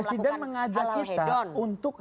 presiden mengajak kita untuk